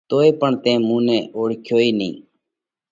تو پڻ تئين مُون نئہ اوۯکيو ئي نئين۔